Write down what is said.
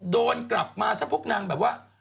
โดนกลับมาสักพวกนางแบบว่า